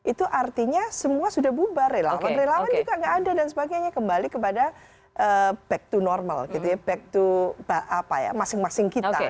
itu artinya semua sudah bubar relawan relawan juga tidak ada dan sebagainya kembali kepada back to normal back to masing masing kita